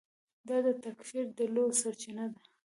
دا د تکفیري ډلو سرچینه ده.